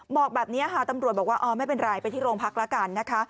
บอกแบบนี้ค่ะตำรวจบอกว่าอ๋อไม่เป็นไรไปที่โรงพักแล้วกันนะคะ